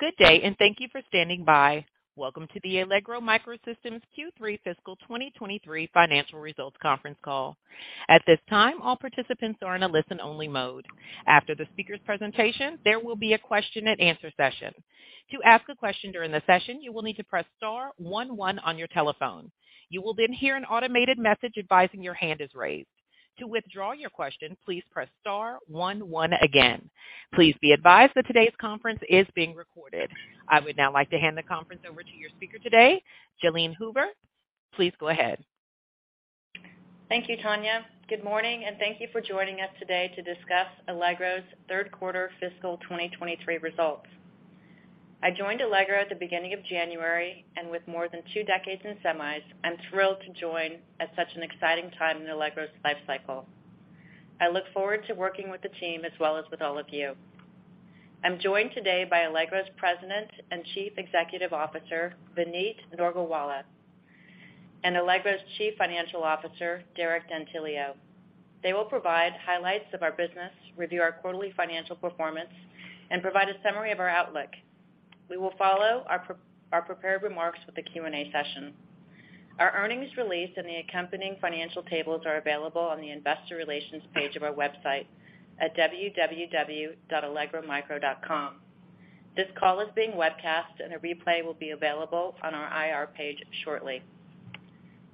Good day. Thank you for standing by. Welcome to the Allegro MicroSystems Q3 Fiscal 2023 Financial Results Conference Call. At this time, all participants are in a listen-only mode. After the speaker's presentation, there will be a question and answer session. To ask a question during the session, you will need to press star one one on your telephone. You will then hear an automated message advising your hand is raised. To withdraw your question, please press star one one again. Please be advised that today's conference is being recorded. I would now like to hand the conference over to your speaker today, Jalene Hoover. Please go ahead. Thank you, Tanya. Good morning, and thank you for joining us today to discuss Allegro's third quarter fiscal 2023 results. I joined Allegro at the beginning of January, and with more than two decades in semis, I'm thrilled to join at such an exciting time in Allegro's life cycle. I look forward to working with the team as well as with all of you. I'm joined today by Allegro's President and Chief Executive Officer, Vineet Nargolwala, and Allegro's Chief Financial Officer, Derek D'Antilio. They will provide highlights of our business, review our quarterly financial performance, and provide a summary of our outlook. We will follow our prepared remarks with a Q&A session. Our earnings release and the accompanying financial tables are available on the investor relations page of our website at www.allegromicro.com. This call is being webcast, and a replay will be available on our IR page shortly.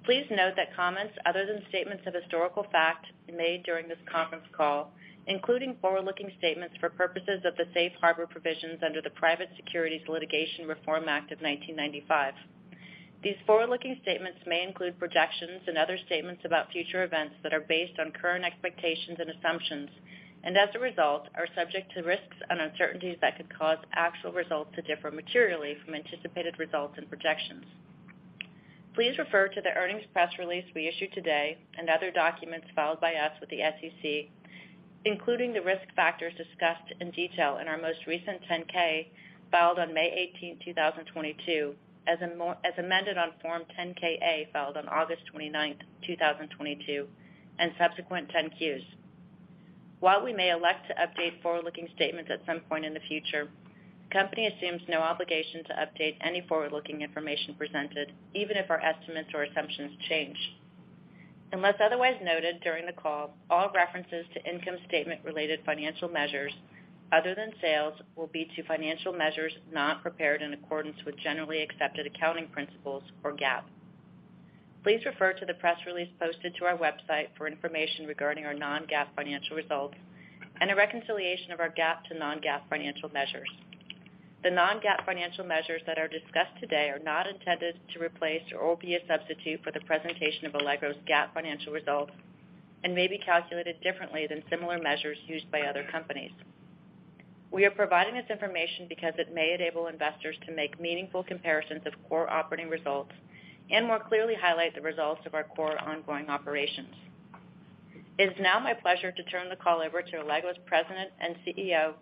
Please note that comments other than statements of historical fact made during this conference call, including forward-looking statements for purposes of the safe harbor provisions under the Private Securities Litigation Reform Act of 1995. These forward-looking statements may include projections and other statements about future events that are based on current expectations and assumptions, and as a result, are subject to risks and uncertainties that could cause actual results to differ materially from anticipated results and projections. Please refer to the earnings press release we issued today and other documents filed by us with the SEC, including the risk factors discussed in detail in our most recent 10-K, filed on May 18, 2022, as amended on Form 10-K/A, filed on August 29, 2022, and subsequent 10-Qs. While we may elect to update forward-looking statements at some point in the future, the company assumes no obligation to update any forward-looking information presented, even if our estimates or assumptions change. Unless otherwise noted during the call, all references to income statement related financial measures other than sales will be to financial measures not prepared in accordance with generally accepted accounting principles, or GAAP. Please refer to the press release posted to our website for information regarding our non-GAAP financial results and a reconciliation of our GAAP to non-GAAP financial measures. The non-GAAP financial measures that are discussed today are not intended to replace or be a substitute for the presentation of Allegro's GAAP financial results and may be calculated differently than similar measures used by other companies. We are providing this information because it may enable investors to make meaningful comparisons of core operating results and more clearly highlight the results of our core ongoing operations. It is now my pleasure to turn the call over to Allegro's President and CEO,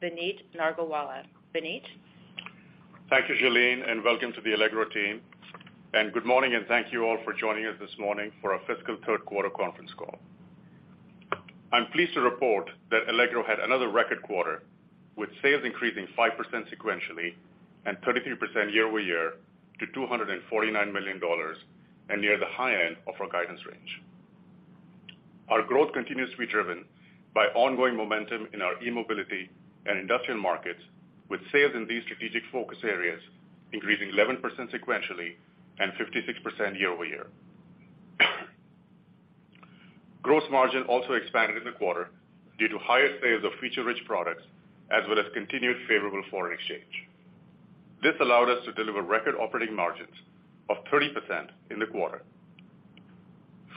Vineet Nargolwala. Vineet? Thank you, Jalene, welcome to the Allegro team. Good morning, and thank you all for joining us this morning for our fiscal third quarter conference call. I'm pleased to report that Allegro had another record quarter, with sales increasing 5% sequentially and 33% year-over-year to $249 million and near the high end of our guidance range. Our growth continues to be driven by ongoing momentum in our e-mobility and industrial markets, with sales in these strategic focus areas increasing 11% sequentially and 56% year-over-year. Gross margin also expanded in the quarter due to higher sales of feature-rich products as well as continued favorable foreign exchange. This allowed us to deliver record operating margins of 30% in the quarter.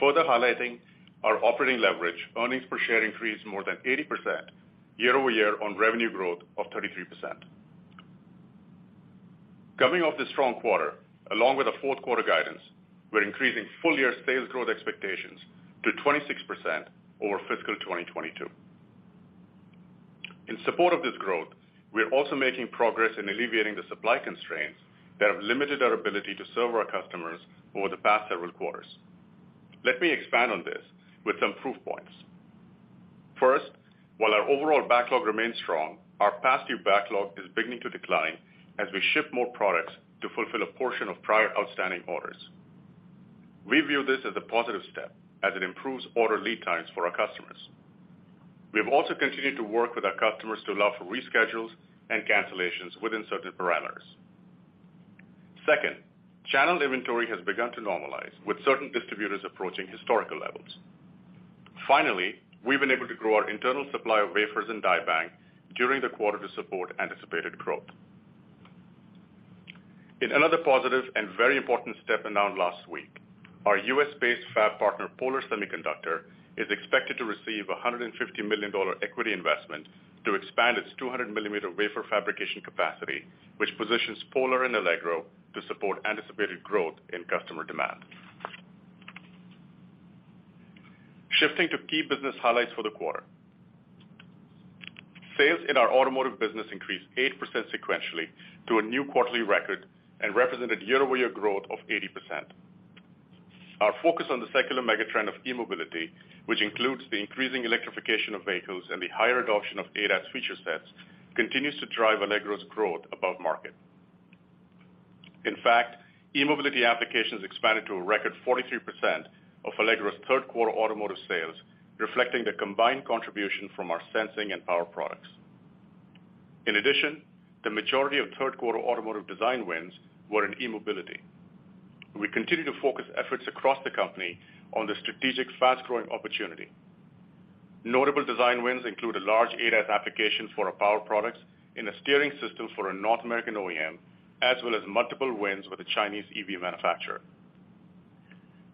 Further highlighting our operating leverage, earnings per share increased more than 80% year-over-year on revenue growth of 33%. Coming off this strong quarter, along with the fourth quarter guidance, we're increasing full-year sales growth expectations to 26% over fiscal 2022. In support of this growth, we are also making progress in alleviating the supply constraints that have limited our ability to serve our customers over the past several quarters. Let me expand on this with some proof points. First, while our overall backlog remains strong, our past due backlog is beginning to decline as we ship more products to fulfill a portion of prior outstanding orders. We view this as a positive step as it improves order lead times for our customers. We have also continued to work with our customers to allow for reschedules and cancellations within certain parameters. Second, channeled inventory has begun to normalize, with certain distributors approaching historical levels. Finally, we've been able to grow our internal supply of wafers and die bank during the quarter to support anticipated growth. In another positive and very important step announced last week, our U.S.-based fab partner, Polar Semiconductor, is expected to receive a $150 million equity investment to expand its 200mm wafer fabrication capacity, which positions Polar and Allegro to support anticipated growth in customer demand. Shifting to key business highlights for the quarter. Sales in our automotive business increased 8% sequentially to a new quarterly record and represented year-over-year growth of 80%. Our focus on the secular megatrend of e-mobility, which includes the increasing electrification of vehicles and the higher adoption of ADAS feature sets, continues to drive Allegro's growth above market. In fact, e-mobility applications expanded to a record 43% of Allegro's third quarter automotive sales, reflecting the combined contribution from our sensing and power products. In addition, the majority of third quarter automotive design wins were in e-mobility. We continue to focus efforts across the company on the strategic fast-growing opportunity. Notable design wins include a large ADAS application for our power products and a steering system for a North American OEM, as well as multiple wins with a Chinese EV manufacturer.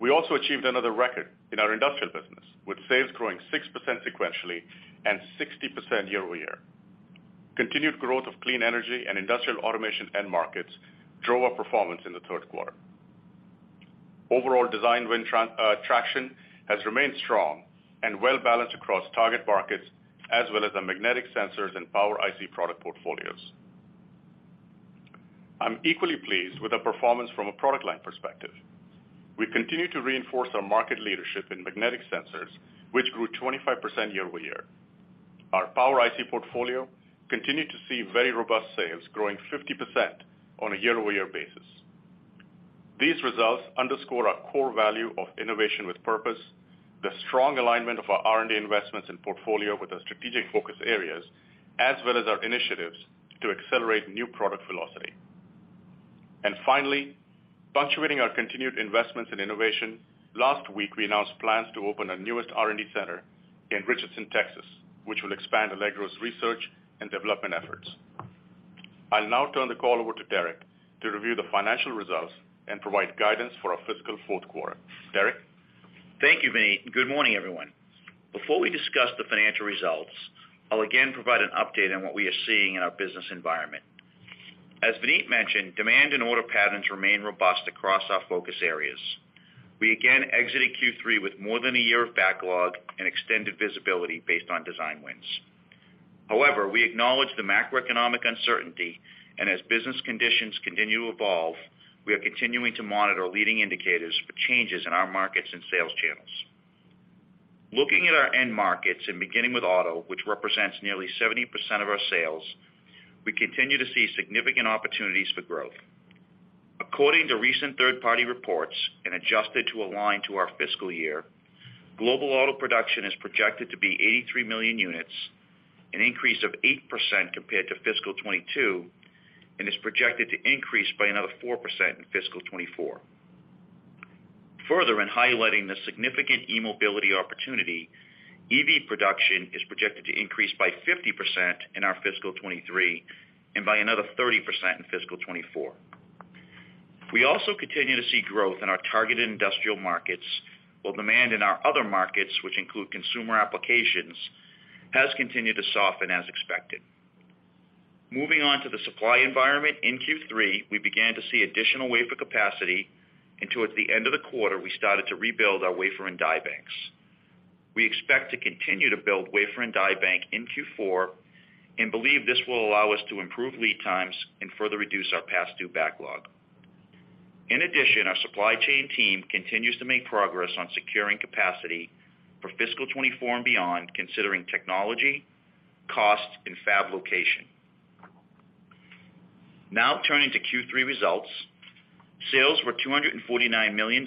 We also achieved another record in our industrial business, with sales growing 6% sequentially and 60% year-over-year. Continued growth of clean energy and industrial automation end markets drove our performance in the third quarter. Overall design win traction has remained strong and well-balanced across target markets, as well as the magnetic sensors and power IC product portfolios. I'm equally pleased with the performance from a product line perspective. We continue to reinforce our market leadership in magnetic sensors, which grew 25% year-over-year. Our power IC portfolio continued to see very robust sales, growing 50% on a year-over-year basis. These results underscore our core value of innovation with purpose, the strong alignment of our R&D investments in portfolio with our strategic focus areas, as well as our initiatives to accelerate new product velocity. Finally, punctuating our continued investments in innovation, last week we announced plans to open our newest R&D center in Richardson, Texas, which will expand Allegro's research and development efforts. I'll now turn the call over to Derek to review the financial results and provide guidance for our fiscal fourth quarter. Derek? Thank you, Vineet, and good morning, everyone. Before we discuss the financial results, I'll again provide an update on what we are seeing in our business environment. As Vineet mentioned, demand and order patterns remain robust across our focus areas. We again exited Q3 with more than a year of backlog and extended visibility based on design wins. However, we acknowledge the macroeconomic uncertainty, and as business conditions continue to evolve, we are continuing to monitor leading indicators for changes in our markets and sales channels. Looking at our end markets and beginning with auto, which represents nearly 70% of our sales, we continue to see significant opportunities for growth. According to recent third-party reports and adjusted to align to our fiscal year, global auto production is projected to be 83 million units, an increase of 8% compared to fiscal 2022, and is projected to increase by another 4% in fiscal 2024. Further, in highlighting the significant e-mobility opportunity, EV production is projected to increase by 50% in our fiscal 2023 and by another 30% in fiscal 2024. We also continue to see growth in our targeted industrial markets, while demand in our other markets, which include consumer applications, has continued to soften as expected. Moving on to the supply environment, in Q3, we began to see additional wafer capacity, and towards the end of the quarter, we started to rebuild our wafer and die banks. We expect to continue to build wafer and die bank in Q4, and believe this will allow us to improve lead times and further reduce our past due backlog. In addition, our supply chain team continues to make progress on securing capacity for fiscal 2024 and beyond, considering technology, cost, and fab location. Turning to Q3 results. Sales were $249 million.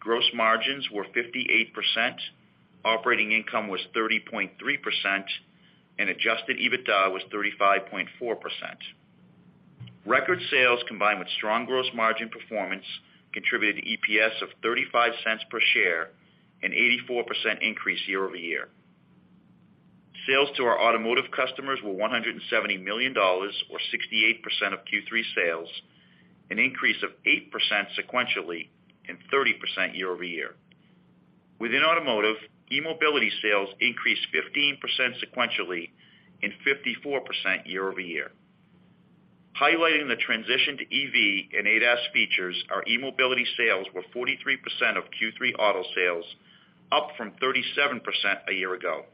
Gross margins were 58%. Operating income was 30.3%, and Adjusted EBITDA was 35.4%. Record sales combined with strong gross margin performance contributed to EPS of $0.35 per share, an 84% increase year-over-year. Sales to our automotive customers were $170 million or 68% of Q3 sales, an increase of 8% sequentially and 30% year-over-year. Within automotive, e-mobility sales increased 15% sequentially and 54% year-over-year. Highlighting the transition to EV and ADAS features, our e-mobility sales were 43% of Q3 auto sales, up from 37% a year ago.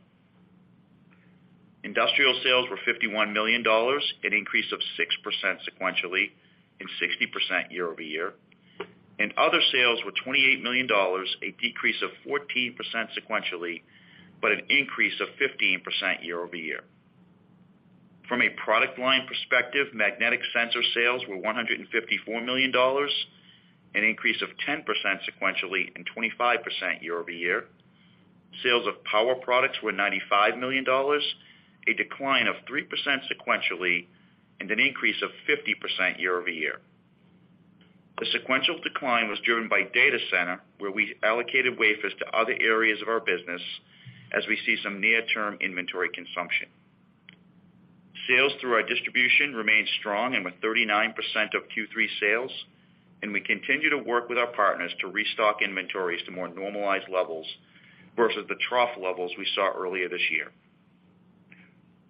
Industrial sales were $51 million, an increase of 6% sequentially and 60% year-over-year, and other sales were $28 million, a decrease of 14% sequentially, but an increase of 15% year-over-year. From a product line perspective, magnetic sensor sales were $154 million, an increase of 10% sequentially and 25% year-over-year. Sales of power products were $95 million, a decline of 3% sequentially and an increase of 50% year-over-year. The sequential decline was driven by data center, where we allocated wafers to other areas of our business as we see some near-term inventory consumption. Sales through our distribution remained strong and with 39% of Q3 sales, and we continue to work with our partners to restock inventories to more normalized levels versus the trough levels we saw earlier this year.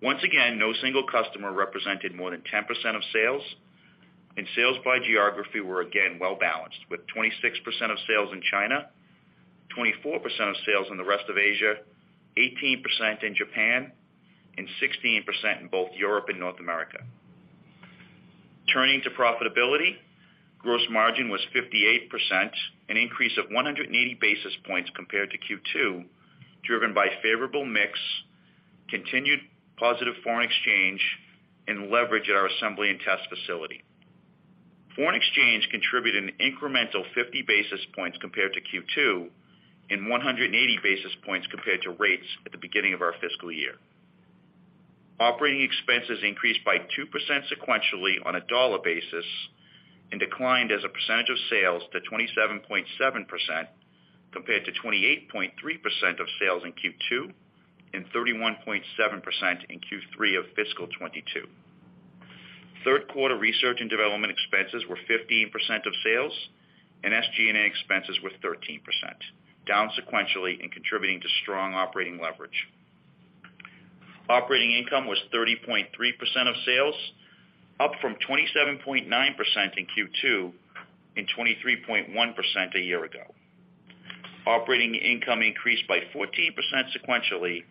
Once again, no single customer represented more than 10% of sales, and sales by geography were again well-balanced, with 26% of sales in China, 24% of sales in the rest of Asia, 18% in Japan, and 16% in both Europe and North America. Turning to profitability, gross margin was 58%, an increase of 180 basis points compared to Q2, driven by favorable mix, continued positive foreign exchange, and leverage at our assembly and test facility. Foreign exchange contributed an incremental 50 basis points compared to Q2 and 180 basis points compared to rates at the beginning of our fiscal year. Operating expenses increased by 2% sequentially on a dollar basis and declined as a percentage of sales to 27.7%, compared to 28.3% of sales in Q2 and 31.7% in Q3 of fiscal 2022. Third quarter research and development expenses were 15% of sales, and SG&A expenses were 13%, down sequentially and contributing to strong operating leverage. Operating income was 30.3% of sales, up from 27.9% in Q2 and 23.1% a year ago. Operating income increased by 14% sequentially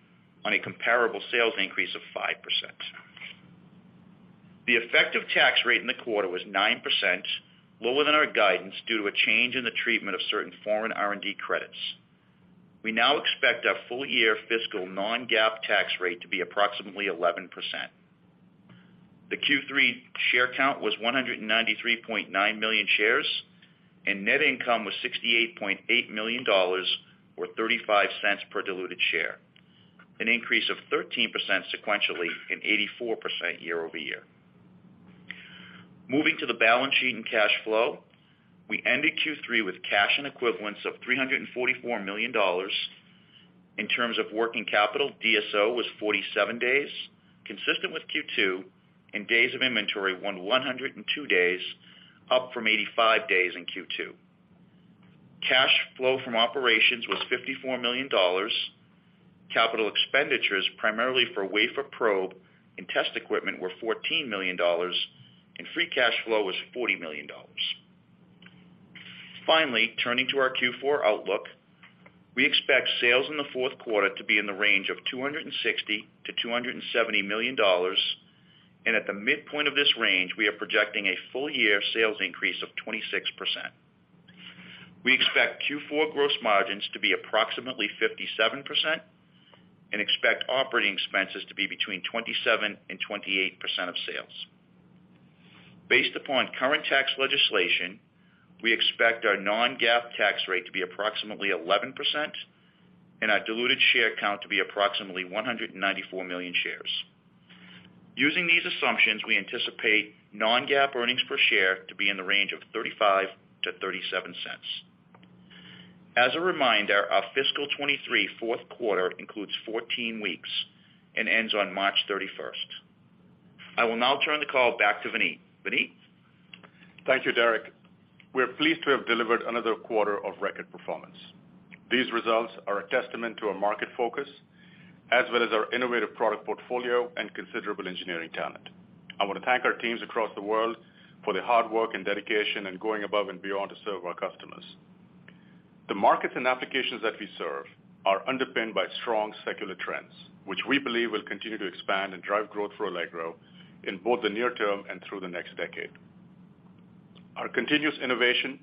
on a comparable sales increase of 5%. The effective tax rate in the quarter was 9%, lower than our guidance, due to a change in the treatment of certain foreign R&D credits. We now expect our full year fiscal non-GAAP tax rate to be approximately 11%. The Q3 share count was 193.9 million shares, and net income was $68.8 million or $0.35 per diluted share, an increase of 13% sequentially and 84% year-over-year. Moving to the balance sheet and cash flow, we ended Q3 with cash and equivalents of $344 million. In terms of working capital, DSO was 47 days, consistent with Q2, and days of inventory won 102 days, up from 85 days in Q2. Cash flow from operations was $54 million. CapEx, primarily for wafer probe and test equipment, were $14 million, and free cash flow was $40 million. Turning to our Q4 outlook, we expect sales in the fourth quarter to be in the range of $260 million-$270 million, and at the midpoint of this range, we are projecting a full-year sales increase of 26%. We expect Q4 gross margins to be approximately 57% and expect operating expenses to be between 27% and 28% of sales. Based upon current tax legislation, we expect our non-GAAP tax rate to be approximately 11% and our diluted share count to be approximately 194 million shares. Using these assumptions, we anticipate non-GAAP earnings per share to be in the range of $0.35-$0.37. As a reminder, our fiscal 2023 fourth quarter includes 14 weeks and ends on March 31st. I will now turn the call back to Vineet. Vineet? Thank you, Derek. We are pleased to have delivered another quarter of record performance. These results are a testament to our market focus as well as our innovative product portfolio and considerable engineering talent. I want to thank our teams across the world for their hard work and dedication and going above and beyond to serve our customers. The markets and applications that we serve are underpinned by strong secular trends, which we believe will continue to expand and drive growth for Allegro in both the near term and through the next decade. Our continuous innovation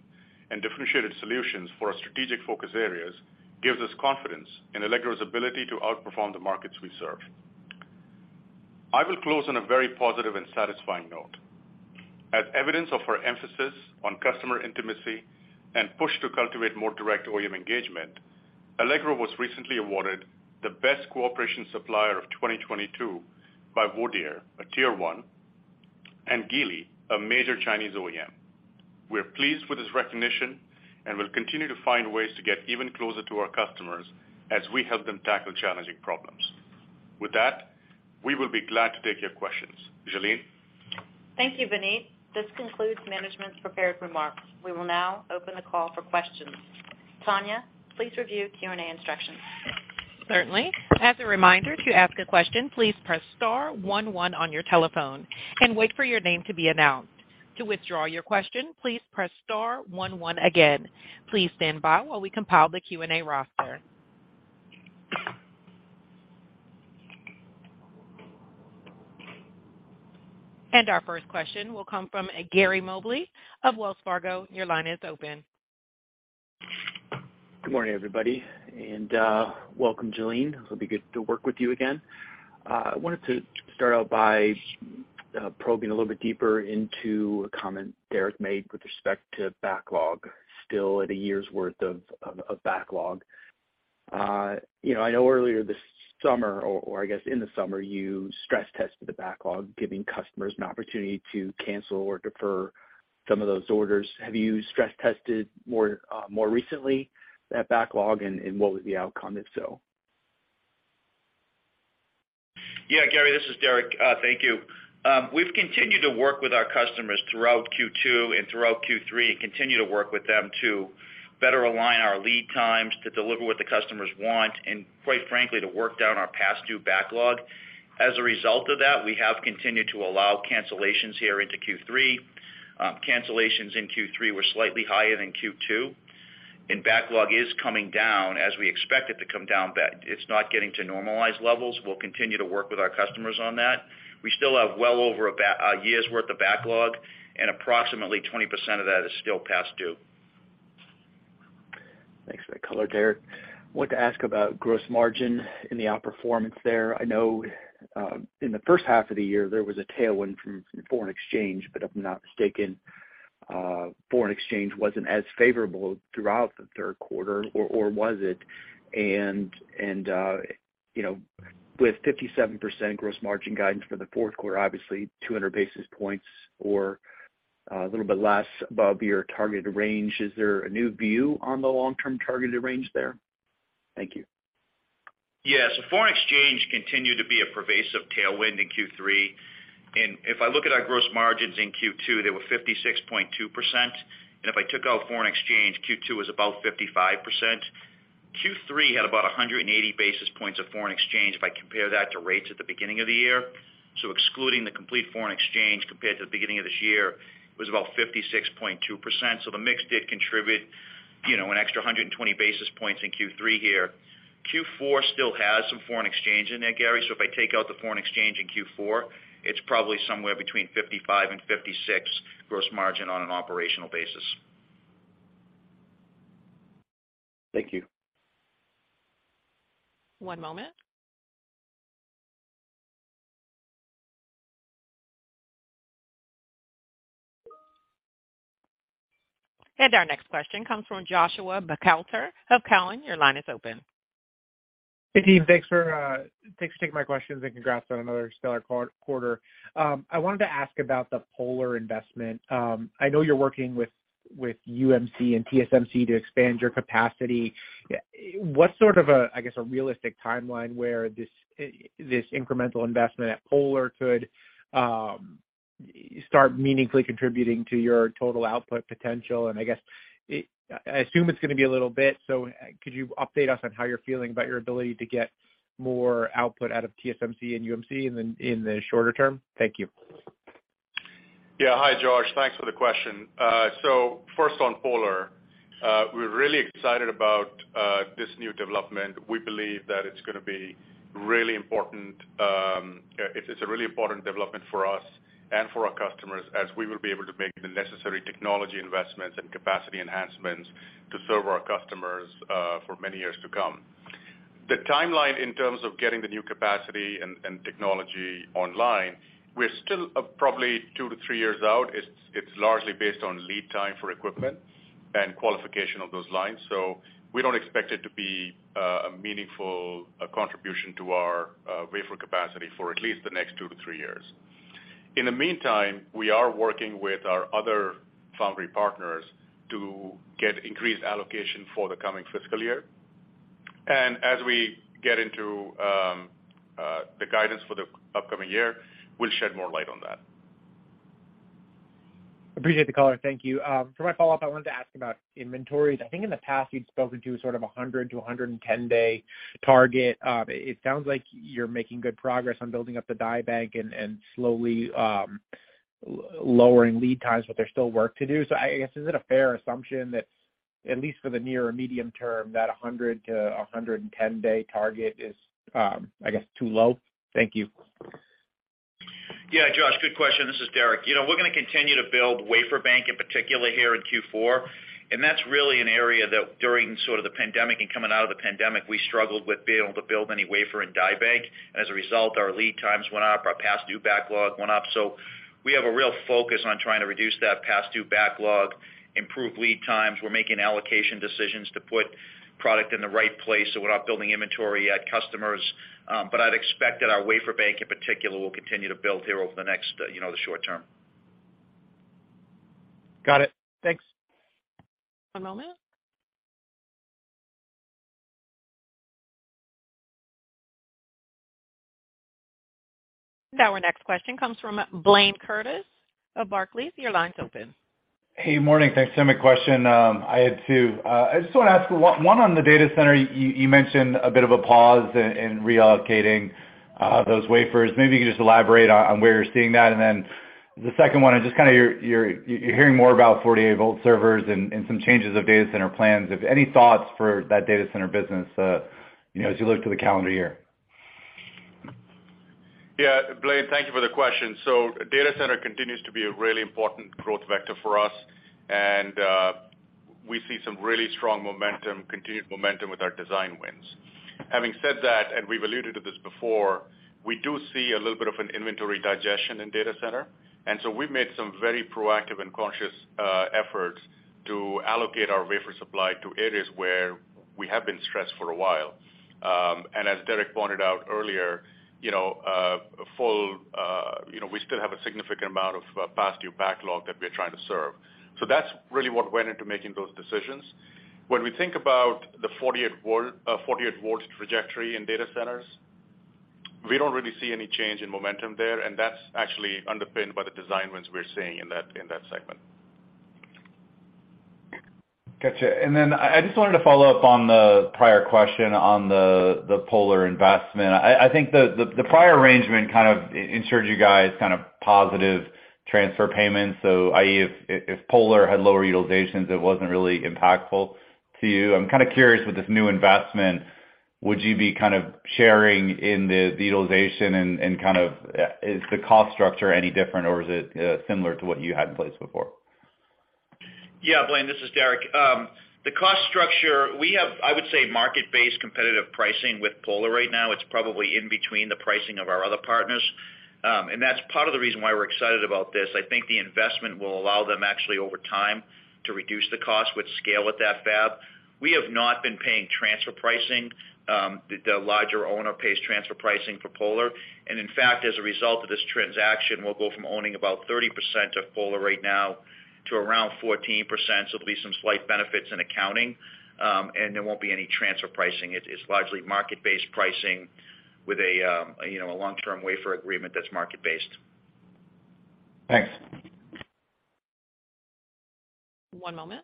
and differentiated solutions for our strategic focus areas gives us confidence in Allegro's ability to outperform the markets we serve. I will close on a very positive and satisfying note. As evidence of our emphasis on customer intimacy and push to cultivate more direct OEM engagement, Allegro was recently awarded the Best Cooperation Supplier of 2022 by Wodeer, a Tier 1, and Geely, a major Chinese OEM. We are pleased with this recognition and will continue to find ways to get even closer to our customers as we help them tackle challenging problems. With that, we will be glad to take your questions. Jalene? Thank you, Vineet. This concludes management's prepared remarks. We will now open the call for questions. Tanya, please review Q&A instructions. Certainly. As a reminder, to ask a question, please press star one one on your telephone and wait for your name to be announced. To withdraw your question, please press star one one again. Please stand by while we compile the Q&A roster. Our first question will come from Gary Mobley of Wells Fargo. Your line is open. Good morning, everybody, and welcome, Jalene. It'll be good to work with you again. I wanted to start out by probing a little bit deeper into a comment Derek made with respect to backlog, still at a year's worth of backlog. you know, I know earlier this summer, or I guess in the summer, you stress tested the backlog, giving customers an opportunity to cancel or defer some of those orders. Have you stress tested more recently that backlog? what was the outcome, if so? Gary, this is Derek. Thank you. We've continued to work with our customers throughout Q2 and throughout Q3 and continue to work with them to better align our lead times to deliver what the customers want and, quite frankly, to work down our past due backlog. As a result of that, we have continued to allow cancellations here into Q3. Cancellations in Q3 were slightly higher than Q2, and backlog is coming down as we expect it to come down, but it's not getting to normalized levels. We'll continue to work with our customers on that. We still have well over about a year's worth of backlog and approximately 20% of that is still past due. Thanks for that color, Derek. I want to ask about gross margin in the outperformance there. I know, in the first half of the year, there was a tailwind from foreign exchange, but if I'm not mistaken, foreign exchange wasn't as favorable throughout the third quarter, or was it? You know, with 57% gross margin guidance for the fourth quarter, obviously 200 basis points or a little bit less above your targeted range. Is there a new view on the long-term targeted range there? Thank you. Yes. Foreign exchange continued to be a pervasive tailwind in Q3. If I look at our gross margins in Q2, they were 56.2%. If I took out foreign exchange, Q2 was about 55%. Q3 had about 180 basis points of foreign exchange if I compare that to rates at the beginning of the year. Excluding the complete foreign exchange compared to the beginning of this year, was about 56.2%. The mix did contribute, you know, an extra 120 basis points in Q3 here. Q4 still has some foreign exchange in there, Gary. If I take out the foreign exchange in Q4, it's probably somewhere between 55% and 56% gross margin on an operational basis. Thank you. One moment. Our next question comes from Joshua Buchalter of Cowen. Your line is open. Hey, team. Thanks for thanks for taking my questions, and congrats on another stellar quarter. I wanted to ask about the Polar investment. I know you're working with UMC and TSMC to expand your capacity. What sort of, I guess, a realistic timeline where this incremental investment at Polar could start meaningfully contributing to your total output potential? I guess, I assume it's gonna be a little bit, so could you update us on how you're feeling about your ability to get more output out of TSMC and UMC in the shorter term? Thank you. Yeah. Hi, Josh. Thanks for the question. First on Polar, we're really excited about this new development. We believe that it's gonna be really important, it's a really important development for us and for our customers as we will be able to make the necessary technology investments and capacity enhancements to serve our customers for many years to come. The timeline in terms of getting the new capacity and technology online, we're still probably two to three years out. It's largely based on lead time for equipment and qualification of those lines. We don't expect it to be a meaningful contribution to our wafer capacity for at least the next two to three years. In the meantime, we are working with our other foundry partners to get increased allocation for the coming fiscal year. As we get into the guidance for the upcoming year, we'll shed more light on that. Appreciate the color. Thank you. For my follow-up, I wanted to ask about inventories. I think in the past you'd spoken to sort of a 100 to 110-day target. It sounds like you're making good progress on building up the die bank and slowly lowering lead times, but there's still work to do. I guess, is it a fair assumption that at least for the near or medium term, that a 100 to 110-day target is, I guess too low? Thank you. Yeah, Josh, good question. This is Derek. You know, we're gonna continue to build wafer bank in particular here in Q4, that's really an area that during sort of the pandemic and coming out of the pandemic, we struggled with being able to build any wafer and die bank. As a result, our lead times went up, our past due backlog went up. We have a real focus on trying to reduce that past due backlog, improve lead times. We're making allocation decisions to put product in the right place, so we're not building inventory at customers. I'd expect that our wafer bank in particular, will continue to build here over the next, you know, the short term. Got it. Thanks. One moment. Now our next question comes from Blayne Curtis of Barclays. Your line's open. Hey, morning. Thanks. I have a question. I had two. I just wanna ask one on the data center. You mentioned a bit of a pause in reallocating those wafers. Maybe you can just elaborate on where you're seeing that. The second one is just kinda you're hearing more about 48-volt servers and some changes of data center plans. If any thoughts for that data center business, you know, as you look to the calendar year? Yeah. Blayne, thank you for the question. Data center continues to be a really important growth vector for us, and we see some really strong momentum, continued momentum with our design wins. Having said that, and we've alluded to this before, we do see a little bit of an inventory digestion in data center, and so we've made some very proactive and conscious efforts to allocate our wafer supply to areas where we have been stressed for a while. As Derek D'Antilio pointed out earlier, you know, we still have a significant amount of past due backlog that we're trying to serve. That's really what went into making those decisions. When we think about the 48-volts trajectory in data centers, we don't really see any change in momentum there, that's actually underpinned by the design wins we're seeing in that segment. Gotcha. I just wanted to follow up on the prior question on the Polar investment. I think the prior arrangement kind of insured you guys kind of positive transfer payments. I.e., if Polar had lower utilizations, it wasn't really impactful to you. I'm kind of curious with this new investment, would you be kind of sharing in the utilization and kind of, is the cost structure any different or is it similar to what you had in place before? Yeah, Blayne, this is Derek. The cost structure we have, I would say, market-based competitive pricing with Polar right now. It's probably in between the pricing of our other partners. That's part of the reason why we're excited about this. I think the investment will allow them actually over time to reduce the cost, which scale with that fab. We have not been paying transfer pricing. The larger owner pays transfer pricing for Polar, and in fact, as a result of this transaction, we'll go from owning about 30% of Polar right now to around 14%, so there'll be some slight benefits in accounting, and there won't be any transfer pricing. It is largely market-based pricing with a, you know, a long-term wafer agreement that's market-based. Thanks. One moment.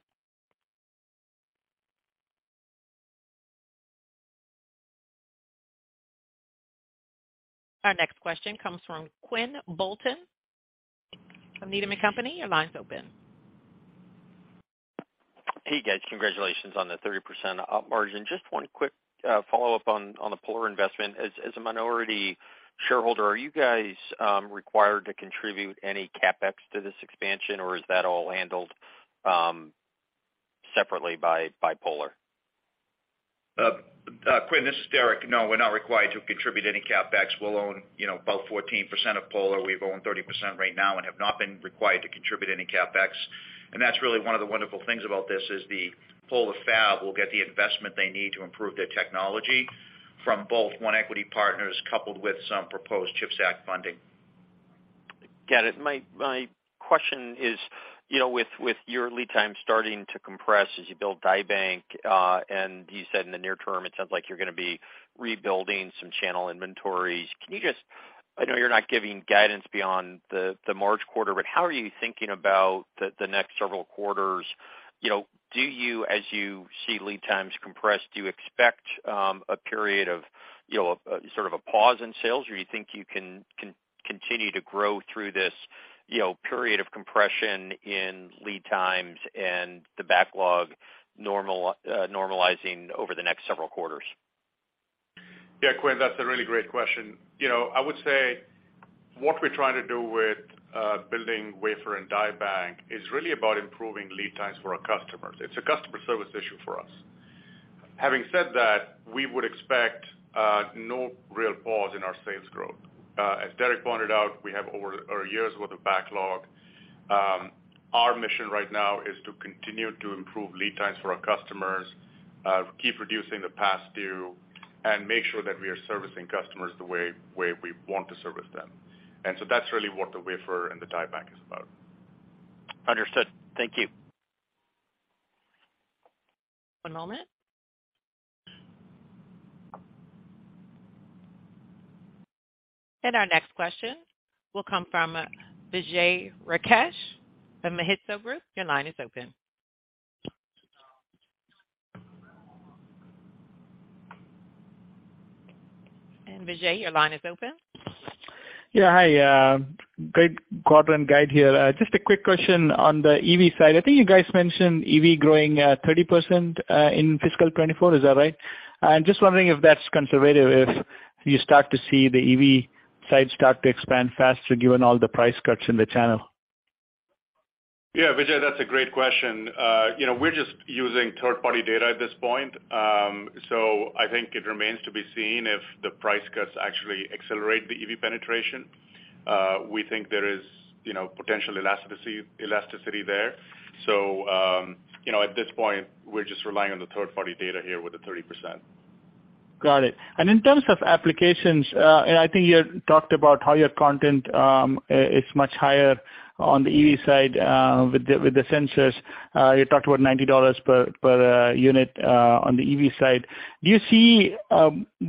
Our next question comes from Quinn Bolton from Needham & Company. Your line's open. Hey, guys. Congratulations on the 30% up margin. Just one quick follow-up on the Polar investment. As a minority shareholder, are you guys required to contribute any CapEx to this expansion, or is that all handled separately by Polar? Quinn, this is Derek. No, we're not required to contribute any CapEx. We'll own, you know, about 14% of Polar. We've owned 30% right now and have not been required to contribute any CapEx. That's really one of the wonderful things about this, is the Polar fab will get the investment they need to improve their technology from both one equity partners coupled with some proposed CHIPS Act funding. Got it. My question is, you know, with your lead time starting to compress as you build die bank, and you said in the near term it sounds like you're gonna be rebuilding some channel inventories. I know you're not giving guidance beyond the March quarter, but how are you thinking about the next several quarters? You know, do you, as you see lead times compress, do you expect a period of, you know, sort of a pause in sales, or you think you can continue to grow through this, you know, period of compression in lead times and the backlog normalizing over the next several quarters? Yeah, Quinn, that's a really great question. You know, I would say what we're trying to do with building wafer and die bank is really about improving lead times for our customers. It's a customer service issue for us. Having said that, we would expect no real pause in our sales growth. As Derek pointed out, we have over a year's worth of backlog. Our mission right now is to continue to improve lead times for our customers, keep reducing the past due, and make sure that we are servicing customers the way we want to service them. That's really what the wafer and the die bank is about. Understood. Thank you. One moment. Our next question will come from Vijay Rakesh from Mizuho Securities. Your line is open. Vijay, your line is open. Yeah. Hi, great quarter and guide here. Just a quick question on the EV side. I think you guys mentioned EV growing, 30%, in fiscal 2024. Is that right? I'm just wondering if that's conservative, if you start to see the EV side start to expand faster given all the price cuts in the channel. Yeah, Vijay, that's a great question. You know, we're just using third-party data at this point. I think it remains to be seen if the price cuts actually accelerate the EV penetration. We think there is, you know, potential elasticity there. You know, at this point, we're just relying on the third-party data here with the 30%. Got it. In terms of applications, and I think you talked about how your content is much higher on the EV side, with the sensors. You talked about $90 per unit, on the EV side. Do you see,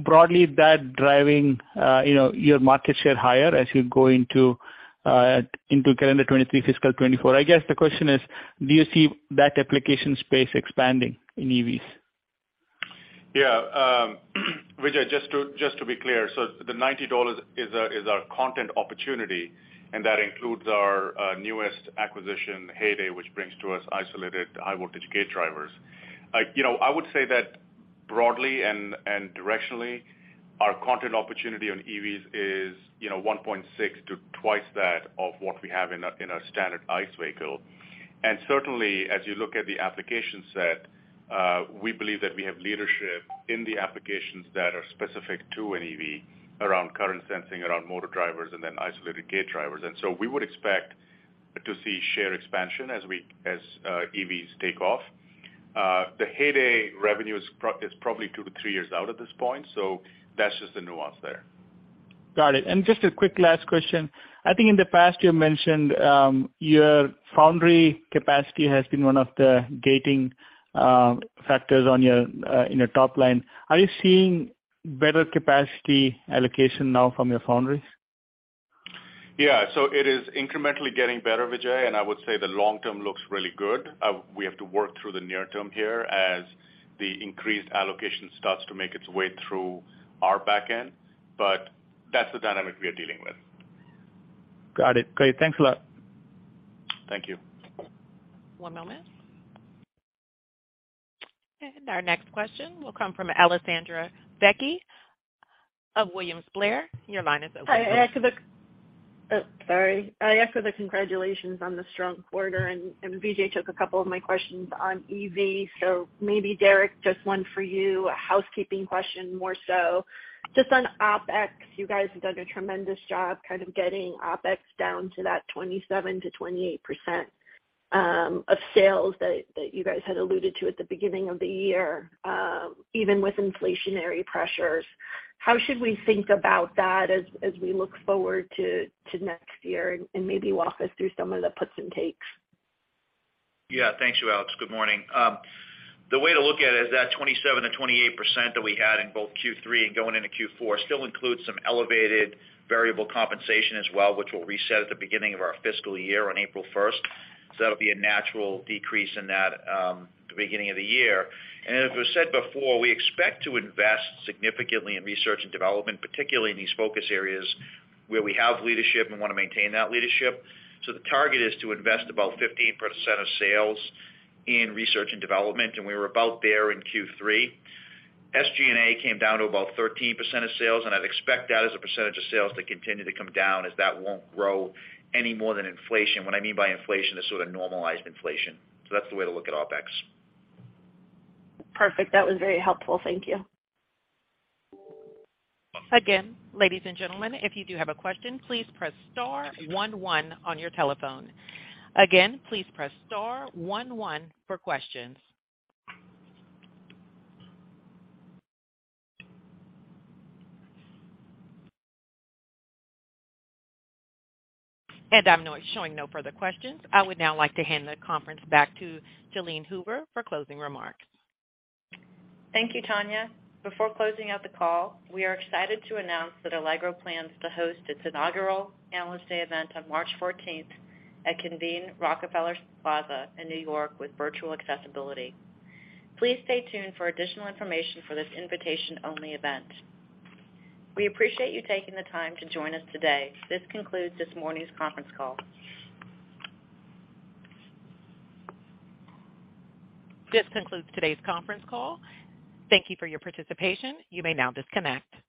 broadly that driving, you know, your market share higher as you go into calendar 2023, fiscal 2024? I guess the question is, do you see that application space expanding in EVs? Vijay, just to be clear, the $90 is our, is our content opportunity, and that includes our newest acquisition, Heyday, which brings to us isolated high voltage gate drivers. You know, I would say that broadly and directionally, our content opportunity on EVs is, you know, 1.6x to 2x that of what we have in our, in our standard ICE vehicle. Certainly, as you look at the application set, we believe that we have leadership in the applications that are specific to an EV around current sensing, around motor drivers, and then isolated gate drivers. We would expect to see share expansion as EVs take off. The Heyday revenue is probably two to three years out at this point, so that's just the nuance there. Got it. Just a quick last question. I think in the past you mentioned, your foundry capacity has been one of the gating factors on your in your top line. Are you seeing better capacity allocation now from your foundries? Yeah. It is incrementally getting better, Vijay, and I would say the long term looks really good. We have to work through the near term here as the increased allocation starts to make its way through our back end, but that's the dynamic we are dealing with. Got it. Great. Thanks a lot. Thank you. One moment. Our next question will come from Alessandra Vecchi of William Blair. Your line is open. Hi. Oh, sorry. I echo the congratulations on the strong quarter, and Vijay took a couple of my questions on EV, so maybe Derek, just one for you. A housekeeping question more so. Just on OpEx, you guys have done a tremendous job kind of getting OpEx down to that 27%-28%, of sales that you guys had alluded to at the beginning of the year, even with inflationary pressures. How should we think about that as we look forward to next year and maybe walk us through some of the puts and takes? Yeah. Thanks, Alex. Good morning. The way to look at it is that 27%-28% that we had in both Q3 and going into Q4 still includes some elevated variable compensation as well, which we'll reset at the beginning of our fiscal year on April 1st. That'll be a natural decrease in that, the beginning of the year. As was said before, we expect to invest significantly in research and development, particularly in these focus areas where we have leadership and wanna maintain that leadership. The target is to invest about 15% of sales in research and development, and we were about there in Q3. SG&A came down to about 13% of sales, and I'd expect that as a percentage of sales to continue to come down as that won't grow any more than inflation. What I mean by inflation is sort of normalized inflation. That's the way to look at OpEx. Perfect. That was very helpful. Thank you. Again, ladies and gentlemen, if you do have a question, please press star 11 on your telephone. Again, please press star one one for questions. I'm showing no further questions. I would now like to hand the conference back to Jalene Hoover for closing remarks. Thank you, Tanya. Before closing out the call, we are excited to announce that Allegro plans to host its inaugural Analyst Day event on March 14th at Convene Rockefeller Plaza in New York with virtual accessibility. Please stay tuned for additional information for this invitation-only event. We appreciate you taking the time to join us today. This concludes this morning's conference call. This concludes today's conference call. Thank you for your participation. You may now disconnect.